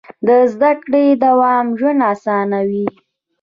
د زده کړې دوام ژوند اسانوي.